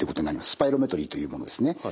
スパイロメトリーというものですね。